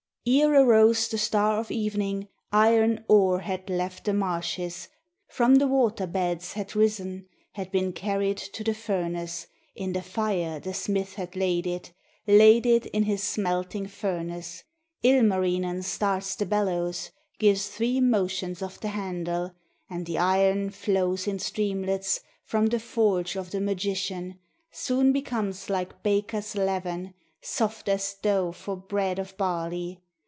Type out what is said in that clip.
Ere arose the star of evening, Iron ore had left the marshes, From the water beds had risen. Had been carried to the furnace, In the fire the smith had laid it, Laid it in his smelting furnace. Ilmarinen starts the bellows, Gives three motions of the handle, And the iron flows in streamlets From the forge of the magician, Soon becomes like baker's leaven. Soft as dough for bread of barley.